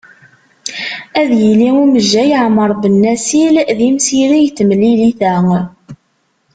Ad yili umejjay Ɛmar Benassil d imsireg n temlilit-a.